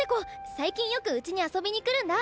最近よくうちに遊びに来るんだ。